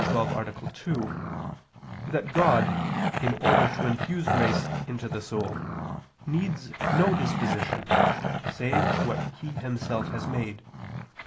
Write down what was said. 2) that God, in order to infuse grace into the soul, needs no disposition, save what He Himself has made.